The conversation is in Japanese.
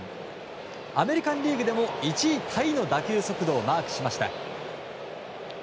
アメリカン・リーグでも１位タイの打球速度をマークしました。